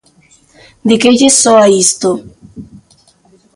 ¿De que lles soa isto?